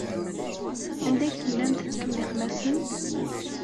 Anda ay tellam tettkellixem-asent?